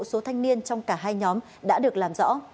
một số thanh niên trong cả hai nhóm đã được làm rõ